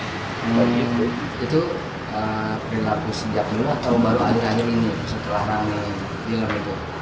itu perilaku sejak dulu atau baru akhir akhir ini setelah rame gilang itu